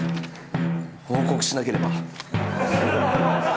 報告しなければ。